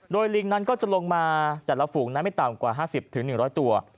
โดยลิงนั้นก็จะลงมาแต่ละฝูงนั้นไม่ต่ำกว่า๕๐๑๐๐ตัว